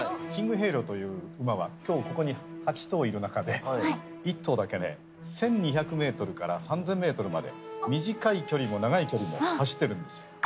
キングヘイローという馬は今日ここに８頭いる中で１頭だけね１，２００ｍから３，０００ｍまで短い距離も長い距離も走ってるんですよ。